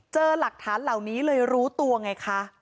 เจอหลักฐานเหล่านี้เลยรู้ตัวไงคะ